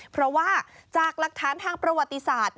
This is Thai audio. เพราะว่าจากหลักฐานทางประวัติศาสตร์